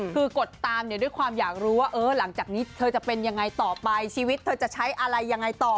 คือกดตามเนี่ยด้วยความอยากรู้ว่าหลังจากนี้เธอจะเป็นยังไงต่อไปชีวิตเธอจะใช้อะไรยังไงต่อ